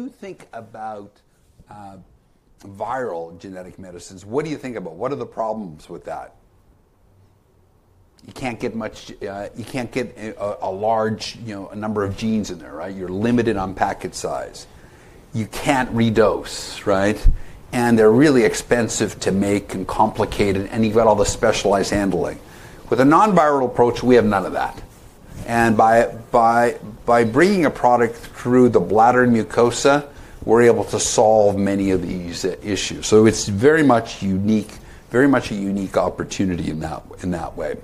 You think about viral genetic medicines. What do you think about? What are the problems with that? You can't get much. You can't get a large number of genes in there, right? You're limited on packet size. You can't re-dose, right? And they're really expensive to make and complicated, and you've got all the specialized handling. With a non-viral approach, we have none of that. By bringing a product through the bladder mucosa, we're able to solve many of these issues. It is very much unique, very much a unique opportunity in that way.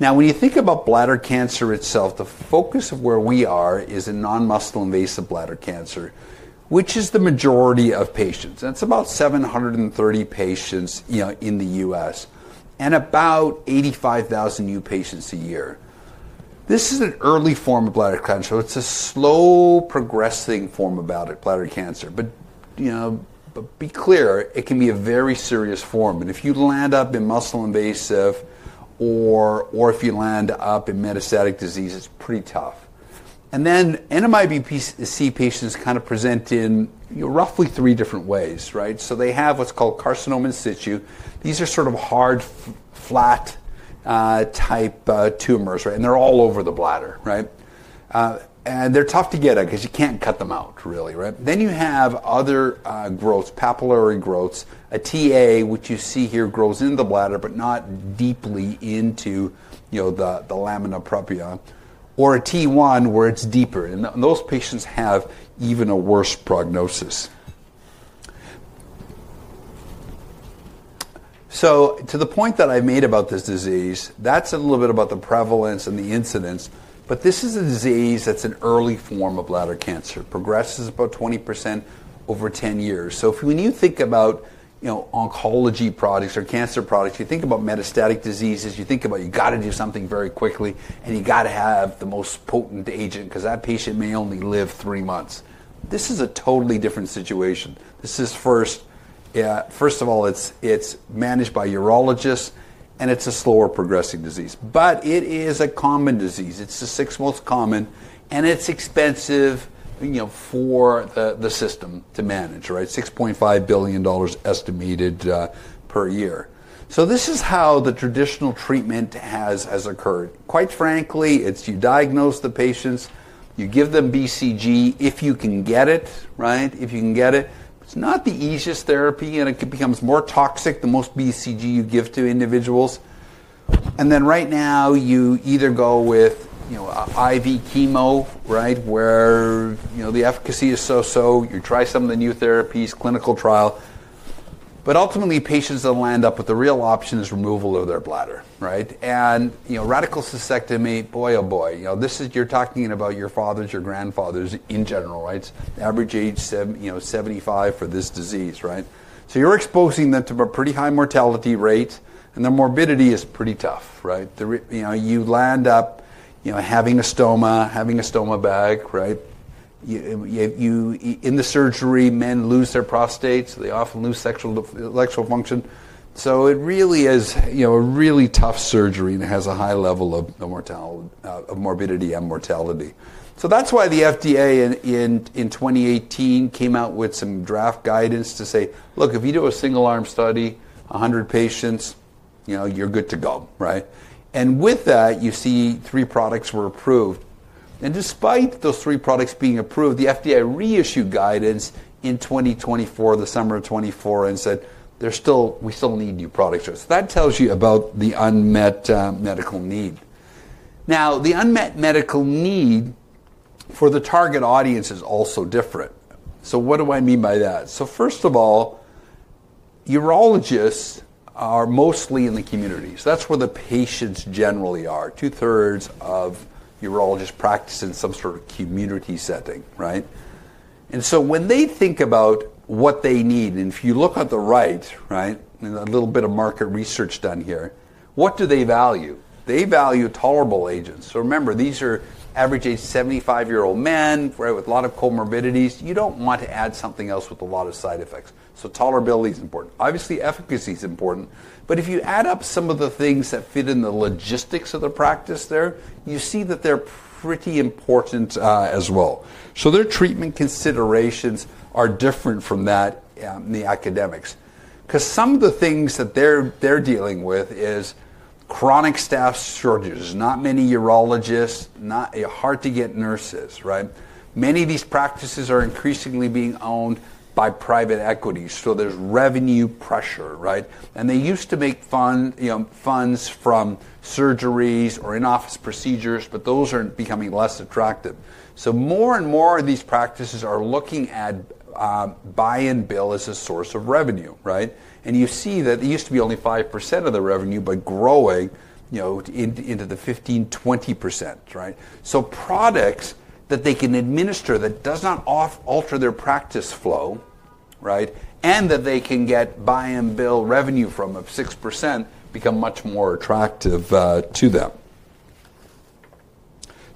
Now, when you think about bladder cancer itself, the focus of where we are is in non-muscle invasive bladder cancer, which is the majority of patients. That's about 730,000 patients in the US and about 85,000 new patients a year. This is an early form of bladder cancer. It's a slow progressing form of bladder cancer. Be clear, it can be a very serious form. If you land up in muscle invasive or if you land up in metastatic disease, it's pretty tough. NMIBC patients kind of present in roughly three different ways, right? They have what's called carcinoma in situ. These are sort of hard, flat-type tumors, right? They're all over the bladder, right? They're tough to get at because you can't cut them out, really, right? You have other growths, papillary growths, a Ta, which you see here grows in the bladder but not deeply into the lamina propria, or a T1 where it's deeper. Those patients have even a worse prognosis. To the point that I made about this disease, that's a little bit about the prevalence and the incidence. This is a disease that's an early form of bladder cancer. It progresses about 20% over 10 years. When you think about oncology products or cancer products, you think about metastatic diseases, you think about you got to do something very quickly, and you got to have the most potent agent because that patient may only live three months. This is a totally different situation. First of all, it's managed by urologists, and it's a slower progressing disease. It is a common disease. It's the sixth most common, and it's expensive for the system to manage, right? $6.5 billion estimated per year. This is how the traditional treatment has occurred. Quite frankly, it's you diagnose the patients, you give them BCG if you can get it, right? If you can get it. It's not the easiest therapy, and it becomes more toxic the more BCG you give to individuals. Right now, you either go with IV chemo, right, where the efficacy is so-so. You try some of the new therapies, clinical trial. Ultimately, patients that land up with the real option is removal of their bladder, right? Radical cystectomy, boy, oh boy. This is, you're talking about your fathers, your grandfathers in general, right? Average age 75 for this disease, right? You're exposing them to a pretty high mortality rate, and their morbidity is pretty tough, right? You land up having a stoma, having a stoma bag, right? In the surgery, men lose their prostates. They often lose sexual function. It really is a really tough surgery and has a high level of morbidity and mortality. That's why the FDA in 2018 came out with some draft guidance to say, "Look, if you do a single-arm study, 100 patients, you're good to go," right? With that, you see three products were approved. Despite those three products being approved, the FDA reissued guidance in the summer of 2024, and said, "We still need new products." That tells you about the unmet medical need. Now, the unmet medical need for the target audience is also different. What do I mean by that? First of all, urologists are mostly in the community. That's where the patients generally are. Two-thirds of urologists practice in some sort of community setting, right? When they think about what they need, and if you look on the right, right, a little bit of market research done here, what do they value? They value tolerable agents. Remember, these are average age 75-year-old men, right, with a lot of comorbidities. You do not want to add something else with a lot of side effects. Tolerability is important. Obviously, efficacy is important. If you add up some of the things that fit in the logistics of the practice there, you see that they are pretty important as well. Their treatment considerations are different from that in the academics. Some of the things that they are dealing with are chronic staff shortages, not many urologists, not hard-to-get nurses, right? Many of these practices are increasingly being owned by private equity. There is revenue pressure, right? They used to make funds from surgeries or in-office procedures, but those are becoming less attractive. More and more of these practices are looking at buy-and-bill as a source of revenue, right? You see that it used to be only 5% of the revenue, but growing into the 15%-20%, right? Products that they can administer that does not alter their practice flow, right, and that they can get buy-and-bill revenue from of 6% become much more attractive to them.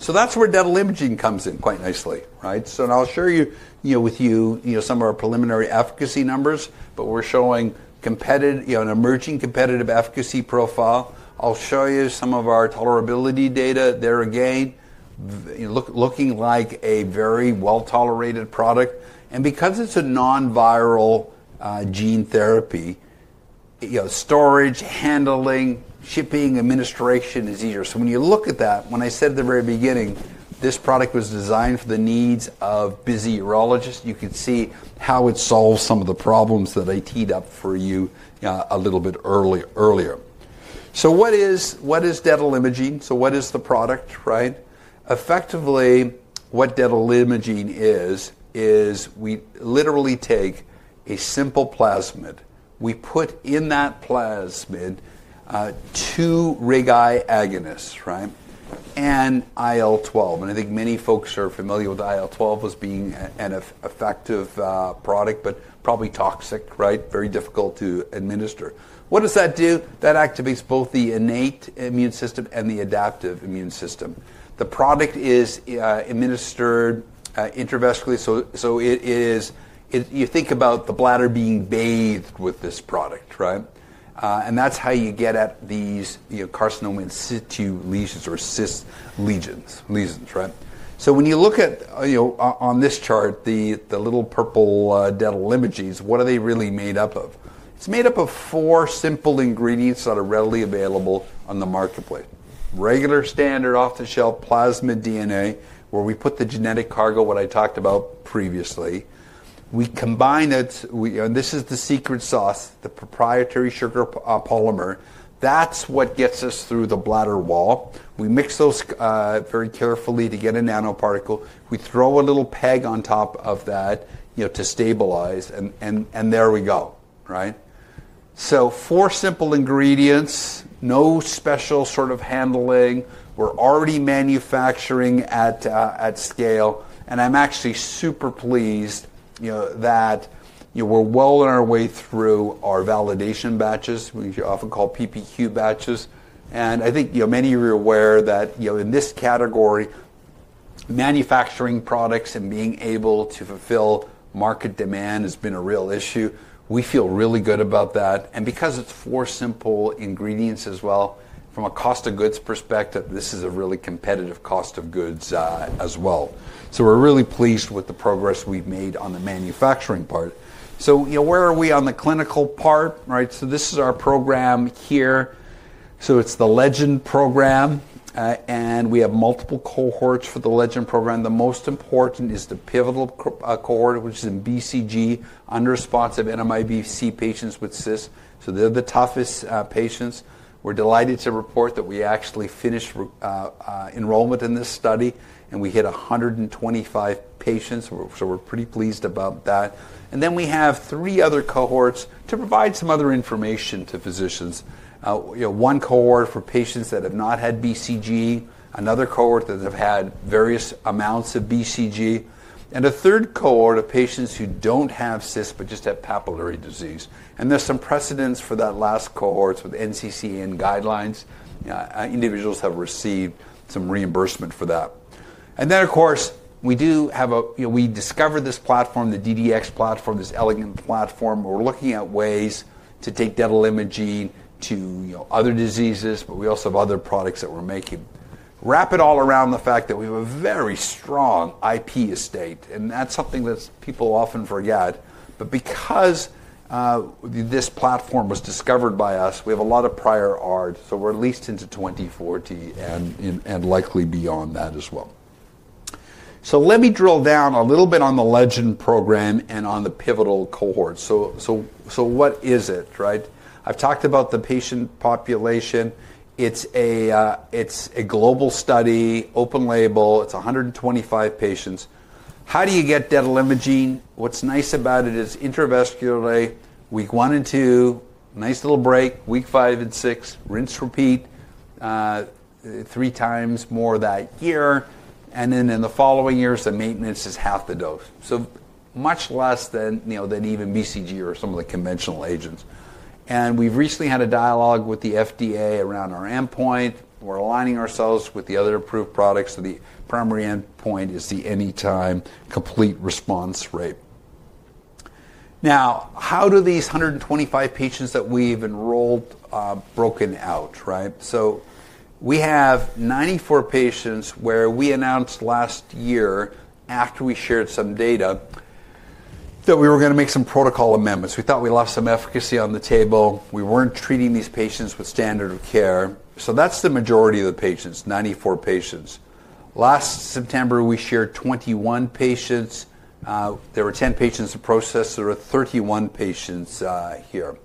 That is where detalimogene voraplasmid comes in quite nicely, right? I'll share with you some of our preliminary efficacy numbers, but we're showing an emerging competitive efficacy profile. I'll show you some of our tolerability data there again, looking like a very well-tolerated product. Because it's a non-viral gene therapy, storage, handling, shipping, administration is easier. When you look at that, when I said at the very beginning, this product was designed for the needs of busy urologists, you can see how it solves some of the problems that I teed up for you a little bit earlier. What is detalimogene voraplasmid? What is the product, right? Effectively, what detalimogene voraplasmid is, is we literally take a simple plasmid. We put in that plasmid two RIG-I agonists, right, and IL-12. I think many folks are familiar with IL-12 as being an effective product, but probably toxic, right? Very difficult to administer. What does that do? That activates both the innate immune system and the adaptive immune system. The product is administered intravesically. You think about the bladder being bathed with this product, right? That is how you get at these carcinoma in situ lesions or cyst lesions, right? When you look at on this chart, the little purple dental images, what are they really made up of? It's made up of four simple ingredients that are readily available on the marketplace: regular, standard, off-the-shelf plasmid DNA, where we put the genetic cargo, what I talked about previously. We combine it. This is the secret sauce, the proprietary sugar polymer. That's what gets us through the bladder wall. We mix those very carefully to get a nanoparticle. We throw a little PEG on top of that to stabilize, and there we go, right? Four simple ingredients, no special sort of handling. We're already manufacturing at scale. I'm actually super pleased that we're well on our way through our validation batches, which are often called PPQ batches. I think many of you are aware that in this category, manufacturing products and being able to fulfill market demand has been a real issue. We feel really good about that. Because it is four simple ingredients as well, from a cost of goods perspective, this is a really competitive cost of goods as well. We are really pleased with the progress we have made on the manufacturing part. Where are we on the clinical part, right? This is our program here. It is the LEGEND program. We have multiple cohorts for the LEGEND program. The most important is the pivotal cohort, which is in BCG-unresponsive NMIBC patients with CIS. They are the toughest patients. We are delighted to report that we actually finished enrollment in this study, and we hit 125 patients. We are pretty pleased about that. We have three other cohorts to provide some other information to physicians. One cohort for patients that have not had BCG, another cohort that have had various amounts of BCG, and a third cohort of patients who do not have CIS but just have papillary disease. There is some precedence for that last cohort with NCCN guidelines. Individuals have received some reimbursement for that. Of course, we do have a, we discovered this platform, the DDX platform, this elegant platform. We are looking at ways to take detalimogene to other diseases, but we also have other products that we are making. Wrap it all around the fact that we have a very strong IP estate. That is something that people often forget. Because this platform was discovered by us, we have a lot of prior art. We're at least into 2040 and likely beyond that as well. Let me drill down a little bit on the LEGEND program and on the pivotal cohort. What is it, right? I've talked about the patient population. It's a global study, open label. It's 125 patients. How do you get detalimogene? What's nice about it is intravesically, week one and two, nice little break, week five and six, rinse-repeat three times more that year. In the following years, the maintenance is half the dose. Much less than even BCG or some of the conventional agents. We've recently had a dialogue with the FDA around our endpoint. We're aligning ourselves with the other approved products. The primary endpoint is the anytime complete response rate. Now, how do these 125 patients that we've enrolled broken out, right? We have 94 patients where we announced last year, after we shared some data, that we were going to make some protocol amendments. We thought we lost some efficacy on the table. We were not treating these patients with standard of care. That is the majority of the patients, 94 patients. Last September, we shared 21 patients. There were 10 patients in process. There were 31 patients here.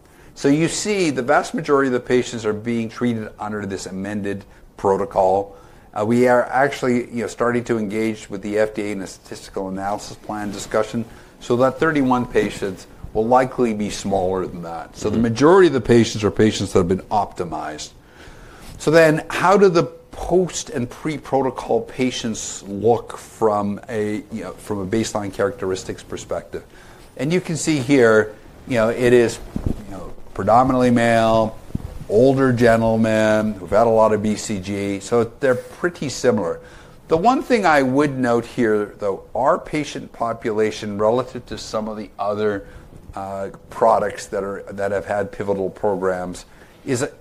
You see the vast majority of the patients are being treated under this amended protocol. We are actually starting to engage with the FDA in a statistical analysis plan discussion. That 31 patients will likely be smaller than that. The majority of the patients are patients that have been optimized. How do the post and pre-protocol patients look from a baseline characteristics perspective? You can see here it is predominantly male, older gentlemen who've had a lot of BCG. They are pretty similar. The one thing I would note here, though, our patient population relative to some of the other products that have had pivotal programs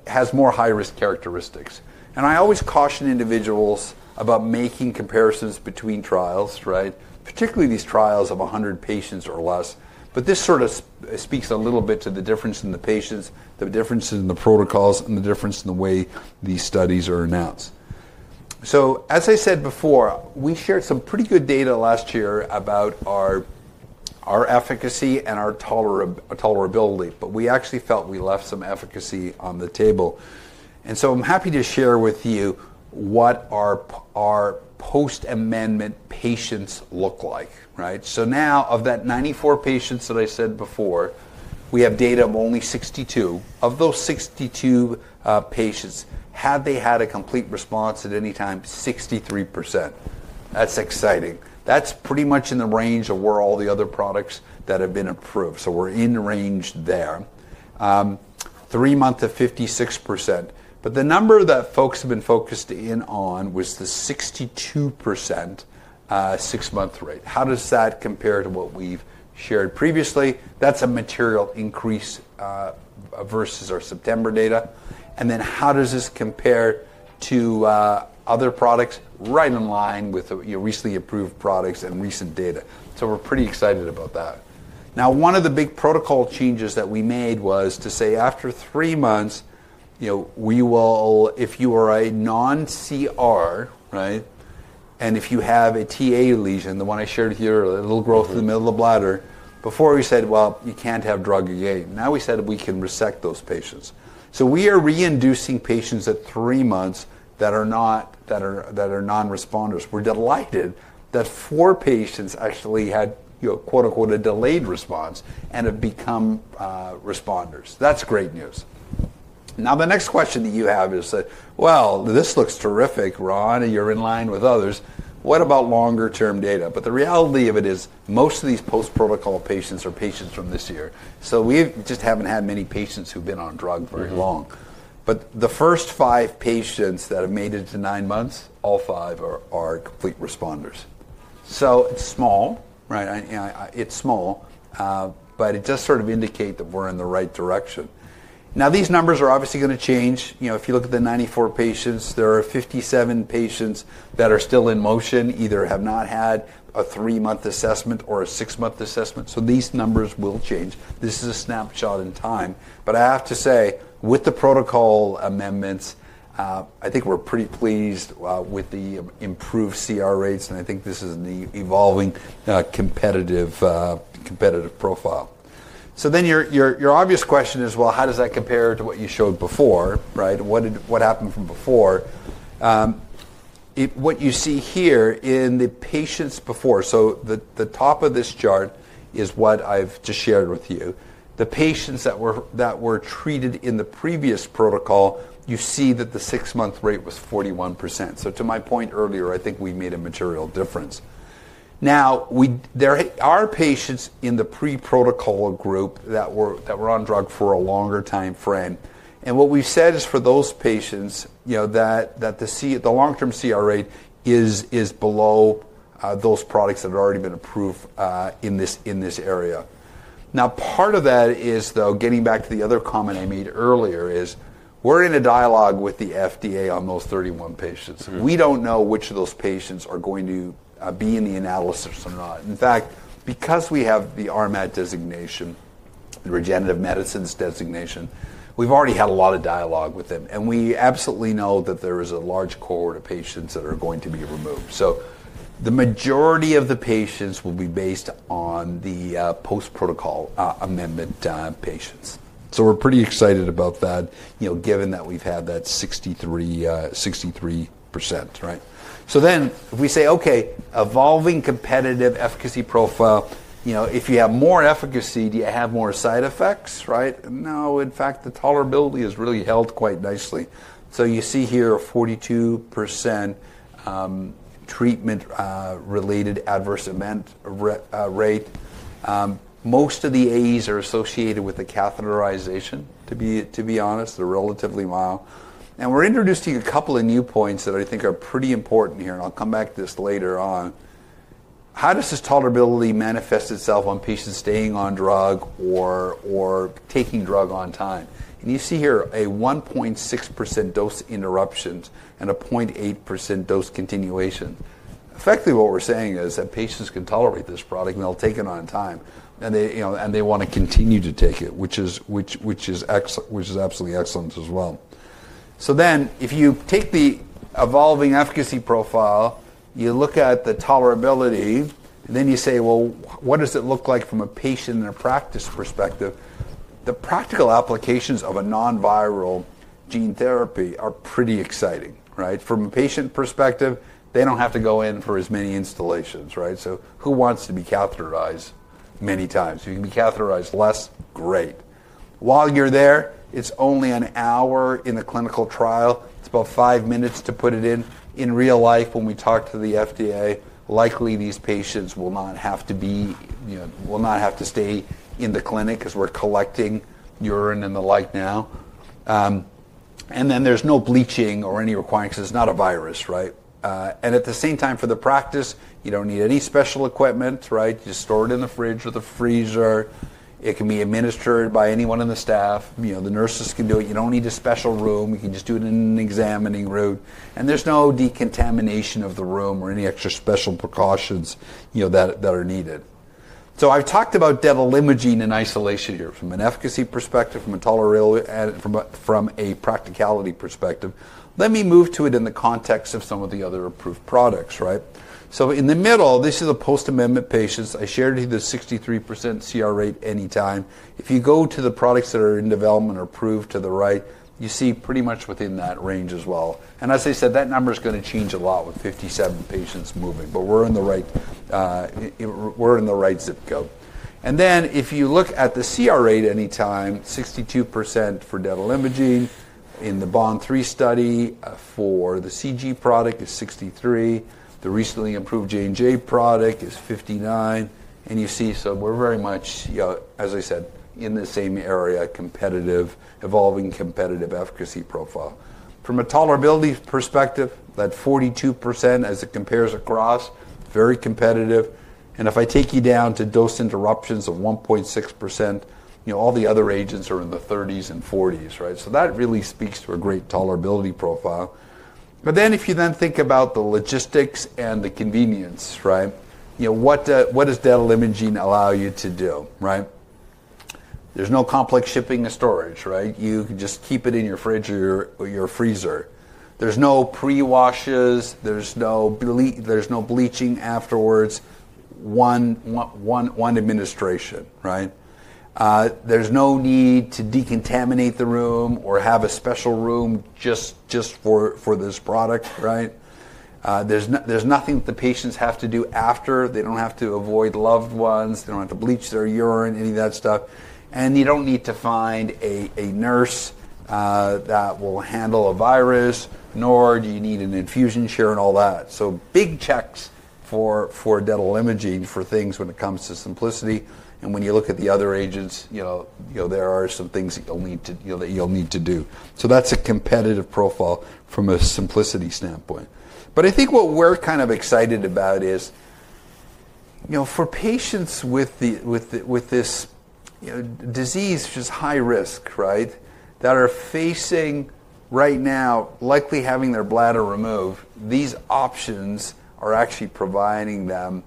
has more high-risk characteristics. I always caution individuals about making comparisons between trials, right? Particularly these trials of 100 patients or less. This sort of speaks a little bit to the difference in the patients, the differences in the protocols, and the difference in the way these studies are announced. As I said before, we shared some pretty good data last year about our efficacy and our tolerability. We actually felt we left some efficacy on the table. I am happy to share with you what our post-amendment patients look like, right? Now, of that 94 patients that I said before, we have data of only 62. Of those 62 patients, had they had a complete response at any time, 63%. That's exciting. That's pretty much in the range of where all the other products that have been approved. We're in range there. Three months of 56%. The number that folks have been focused in on was the 62% six-month rate. How does that compare to what we've shared previously? That's a material increase versus our September data. How does this compare to other products? Right in line with recently approved products and recent data. We're pretty excited about that. Now, one of the big protocol changes that we made was to say after three months, if you are a non-CR, right, and if you have a Ta lesion, the one I shared here, a little growth in the middle of the bladder, before we said, "Well, you can't have drug again." Now we said we can resect those patients. So we are re-inducing patients at three months that are non-responders. We're delighted that four patients actually had "a delayed response" and have become responders. That's great news. The next question that you have is that, "This looks terrific, Ron, and you're in line with others. What about longer-term data?" The reality of it is most of these post-protocol patients are patients from this year. We just haven't had many patients who've been on drugs very long. The first five patients that have made it to nine months, all five are complete responders. It is small, right? It is small, but it does sort of indicate that we are in the right direction. Now, these numbers are obviously going to change. If you look at the 94 patients, there are 57 patients that are still in motion, either have not had a three-month assessment or a six-month assessment. These numbers will change. This is a snapshot in time. I have to say, with the protocol amendments, I think we are pretty pleased with the improved CR rates. I think this is an evolving competitive profile. Your obvious question is, "How does that compare to what you showed before, right? What happened from before? What you see here in the patients before, so the top of this chart is what I've just shared with you. The patients that were treated in the previous protocol, you see that the six-month rate was 41%. To my point earlier, I think we made a material difference. Now, there are patients in the pre-protocol group that were on drug for a longer time frame. What we've said is for those patients that the long-term CR rate is below those products that have already been approved in this area. Part of that is, though, getting back to the other comment I made earlier, we're in a dialogue with the FDA on those 31 patients. We don't know which of those patients are going to be in the analysis or not. In fact, because we have the RMAT designation, the Regenerative Medicine designation, we've already had a lot of dialogue with them. We absolutely know that there is a large cohort of patients that are going to be removed. The majority of the patients will be based on the post-protocol amendment patients. We're pretty excited about that, given that we've had that 63%, right? If we say, "Okay, evolving competitive efficacy profile, if you have more efficacy, do you have more side effects, right?" No, in fact, the tolerability has really held quite nicely. You see here 42% treatment-related adverse event rate. Most of the AEs are associated with the catheterization, to be honest. They're relatively mild. We're introducing a couple of new points that I think are pretty important here. I'll come back to this later on. How does this tolerability manifest itself on patients staying on drug or taking drug on time? You see here a 1.6% dose interruptions and a 0.8% dose continuation. Effectively, what we're saying is that patients can tolerate this product and they'll take it on time. They want to continue to take it, which is absolutely excellent as well. If you take the evolving efficacy profile, you look at the tolerability, and then you say, "What does it look like from a patient and a practice perspective?" The practical applications of a non-viral gene therapy are pretty exciting, right? From a patient perspective, they don't have to go in for as many installations, right? Who wants to be catheterized many times? If you can be catheterized less, great. While you're there, it's only an hour in the clinical trial. It's about five minutes to put it in. In real life, when we talk to the FDA, likely these patients will not have to stay in the clinic because we're collecting urine and the like now. There's no bleaching or any requirements because it's not a virus, right? At the same time, for the practice, you don't need any special equipment, right? You just store it in the fridge or the freezer. It can be administered by anyone in the staff. The nurses can do it. You don't need a special room. You can just do it in an examining room. There's no decontamination of the room or any extra special precautions that are needed. I've talked about detalimogene in isolation here. From an efficacy perspective, from a practicality perspective, let me move to it in the context of some of the other approved products, right? In the middle, this is the post-amendment patients. I shared you the 63% CR rate anytime. If you go to the products that are in development or approved to the right, you see pretty much within that range as well. As I said, that number is going to change a lot with 57 patients moving. We're in the right zip code. If you look at the CR rate anytime, 62% for detalimogene in the Bond 3 study. For the CG product, it is 63. The recently approved J&J product is 59. You see we are very much, as I said, in the same area, evolving competitive efficacy profile. From a tolerability perspective, that 42% as it compares across, very competitive. If I take you down to dose interruptions of 1.6%, all the other agents are in the 30s and 40s, right? That really speaks to a great tolerability profile. If you then think about the logistics and the convenience, right? What does detalimogene allow you to do, right? There is no complex shipping and storage, right? You can just keep it in your fridge or your freezer. There are no pre-washes. There is no bleaching afterwards. One administration, right? There is no need to decontaminate the room or have a special room just for this product, right? There is nothing that the patients have to do after. They do not have to avoid loved ones. They do not have to bleach their urine, any of that stuff. You do not need to find a nurse that will handle a virus, nor do you need an infusion chair and all that. Big checks for dental imaging for things when it comes to simplicity. When you look at the other agents, there are some things that you will need to do. That is a competitive profile from a simplicity standpoint. I think what we are kind of excited about is for patients with this disease, which is high risk, right, that are facing right now likely having their bladder removed, these options are actually providing them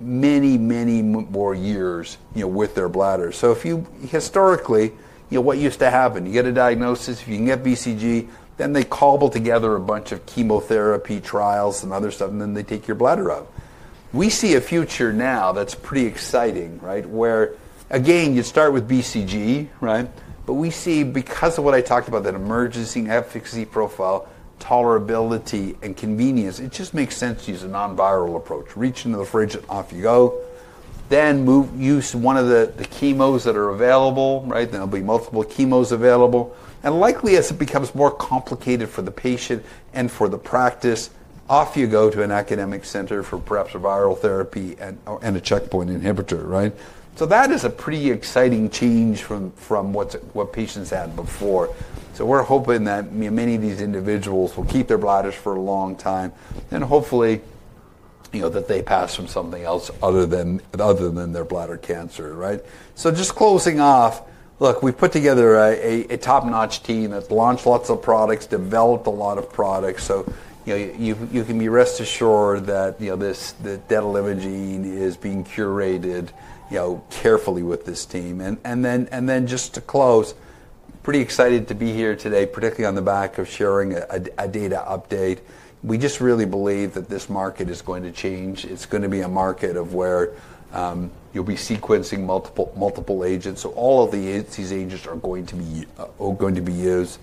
many, many more years with their bladder. Historically, what used to happen, you get a diagnosis, you can get BCG, then they cobble together a bunch of chemotherapy trials and other stuff, and then they take your bladder out. We see a future now that is pretty exciting, right? Where, again, you'd start with BCG, right? We see, because of what I talked about, that emerging efficacy profile, tolerability, and convenience, it just makes sense to use a non-viral approach. Reach into the fridge, off you go. Then use one of the chemos that are available, right? There'll be multiple chemos available. Likely, as it becomes more complicated for the patient and for the practice, off you go to an academic center for perhaps a viral therapy and a checkpoint inhibitor, right? That is a pretty exciting change from what patients had before. We're hoping that many of these individuals will keep their bladders for a long time. Hopefully, they pass from something else other than their bladder cancer, right? Just closing off, look, we've put together a top-notch team that's launched lots of products, developed a lot of products. You can be rest assured that the dental imaging is being curated carefully with this team. Just to close, pretty excited to be here today, particularly on the back of sharing a data update. We just really believe that this market is going to change. It's going to be a market of where you'll be sequencing multiple agents. All of these agents are going to be used.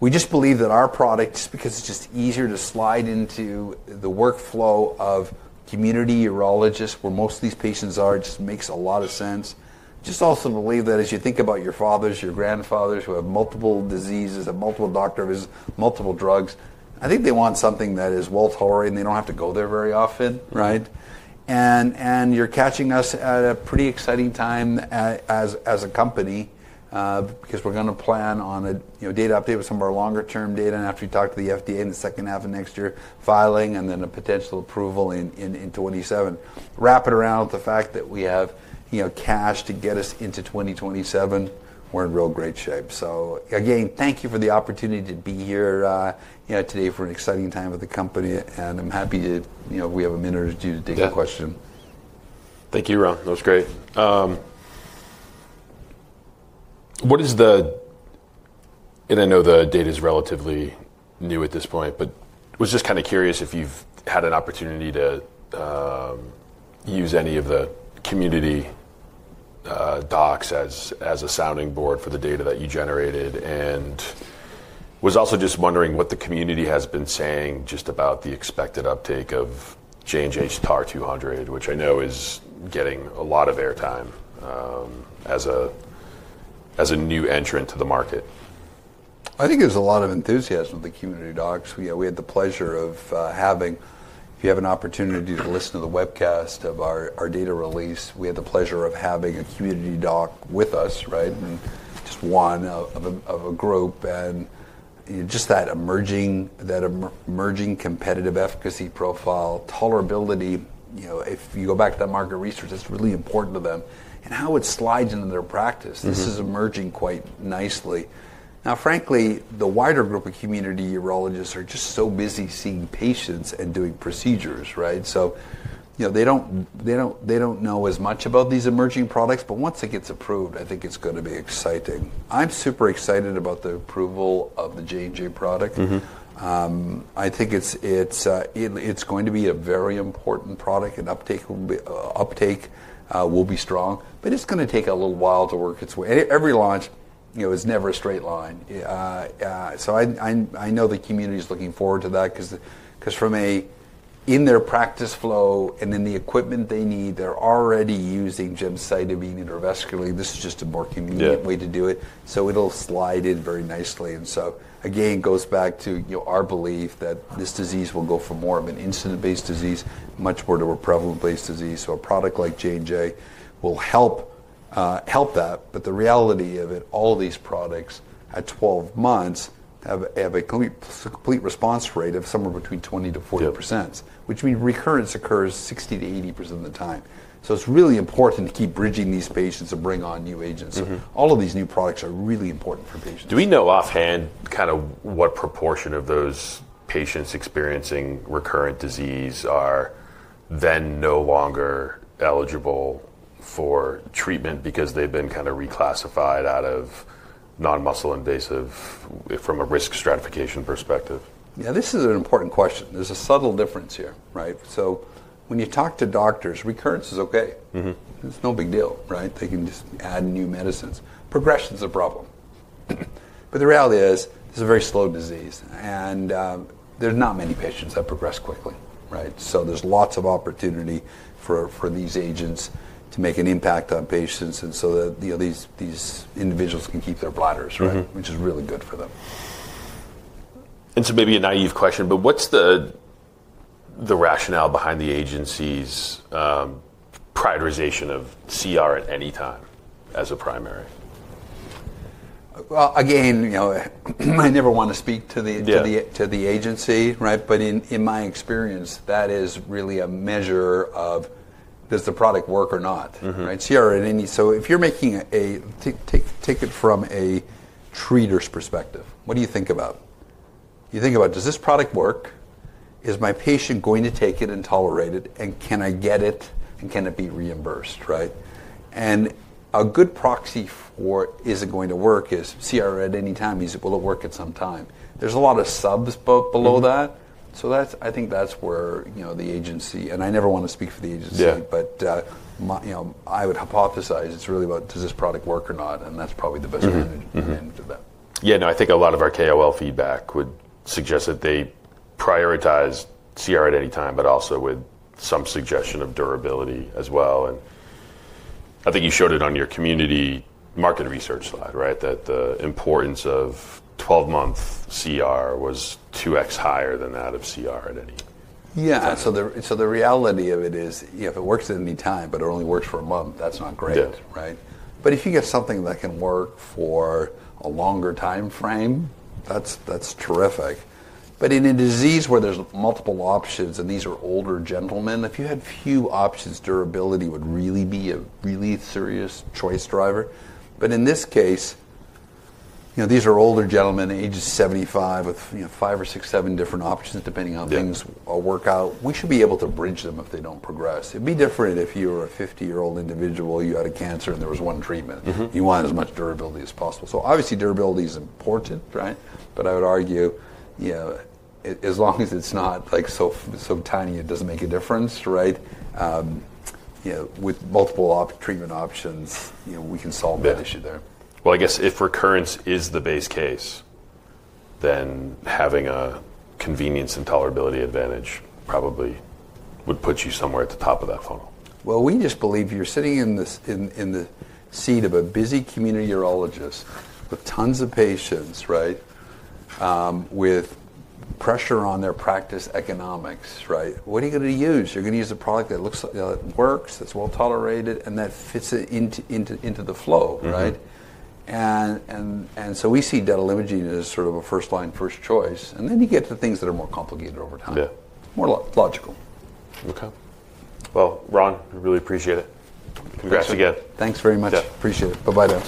We just believe that our product, just because it's just easier to slide into the workflow of community urologists, where most of these patients are, just makes a lot of sense. Just also to believe that as you think about your fathers, your grandfathers who have multiple diseases, have multiple doctor visits, multiple drugs, I think they want something that is well-tolerated and they don't have to go there very often, right? You're catching us at a pretty exciting time as a company because we're going to plan on a data update with some of our longer-term data. After we talk to the FDA in the second half of next year, filing, and then a potential approval in 2027. Wrap it around with the fact that we have cash to get us into 2027. We're in real great shape. Again, thank you for the opportunity to be here today for an exciting time with the company. I'm happy if we have a minute or two to take a question. Thank you, Ron. That was great. I know the data is relatively new at this point, but was just kind of curious if you've had an opportunity to use any of the community docs as a sounding board for the data that you generated. I was also just wondering what the community has been saying just about the expected uptake of J&J's TAR-200, which I know is getting a lot of airtime as a new entrant to the market. I think there's a lot of enthusiasm with the community docs. We had the pleasure of having, if you have an opportunity to listen to the webcast of our data release, we had the pleasure of having a community doc with us, right? Just one of a group. Just that emerging competitive efficacy profile, tolerability, if you go back to that market research, that's really important to them. How it slides into their practice. This is emerging quite nicely. Now, frankly, the wider group of community urologists are just so busy seeing patients and doing procedures, right? They don't know as much about these emerging products, but once it gets approved, I think it's going to be exciting. I'm super excited about the approval of the J&J product. I think it's going to be a very important product. Uptake will be strong. It's going to take a little while to work its way. Every launch is never a straight line. I know the community is looking forward to that because from in their practice flow and in the equipment they need, they're already using gemcitabine intravesically. This is just a more convenient way to do it. It'll slide in very nicely. Again, it goes back to our belief that this disease will go from more of an incident-based disease, much more to a prevalent-based disease. A product like J&J will help that. But the reality of it, all these products at 12 months have a complete response rate of somewhere between 20-40%, which means recurrence occurs 60-80% of the time. It is really important to keep bridging these patients and bring on new agents. All of these new products are really important for patients. Do we know offhand kind of what proportion of those patients experiencing recurrent disease are then no longer eligible for treatment because they have been kind of reclassified out of non-muscle invasive from a risk stratification perspective? Yeah, this is an important question. There is a subtle difference here, right? When you talk to doctors, recurrence is okay. It is no big deal, right? They can just add new medicines. Progression is a problem. The reality is this is a very slow disease. There are not many patients that progress quickly, right? There is lots of opportunity for these agents to make an impact on patients so that these individuals can keep their bladders, right? Which is really good for them. Maybe a naive question, but what is the rationale behind the agency's prioritization of CR at any time as a primary? Again, I never want to speak to the agency, right? In my experience, that is really a measure of does the product work or not, right? CR at any, so if you are making a take it from a treater's perspective, what do you think about? You think about, does this product work? Is my patient going to take it and tolerate it? Can I get it? Can it be reimbursed, right? A good proxy for is it going to work is CR at any time means it will work at some time. There's a lot of subs below that. I think that's where the agency, and I never want to speak for the agency, but I would hypothesize it's really about does this product work or not? That's probably the best management for that. Yeah, I think a lot of our KOL feedback would suggest that they prioritize CR at any time, but also with some suggestion of durability as well. I think you showed it on your community market research slide, right? The importance of 12-month CR was 2x higher than that of CR at any. Yeah. The reality of it is if it works at any time, but it only works for a month, that's not great, right? If you get something that can work for a longer time frame, that's terrific. In a disease where there's multiple options and these are older gentlemen, if you had few options, durability would really be a really serious choice driver. In this case, these are older gentlemen, ages 75, with five or six, seven different options depending on things work out. We should be able to bridge them if they don't progress. It'd be different if you were a 50-year-old individual, you had a cancer, and there was one treatment. You want as much durability as possible. Obviously, durability is important, right? I would argue as long as it's not so tiny, it doesn't make a difference, right? With multiple treatment options, we can solve that issue there. I guess if recurrence is the base case, then having a convenience and tolerability advantage probably would put you somewhere at the top of that funnel. You are sitting in the seat of a busy community urologist with tons of patients, right? With pressure on their practice economics, right? What are you going to use? You are going to use a product that works, that is well-tolerated, and that fits into the flow, right? We see detalimogene as sort of a first-line, first choice. Then you get to things that are more complicated over time. More logical. Okay. Ron, we really appreciate it. Congrats again. Thanks very much. Appreciate it. Bye-bye.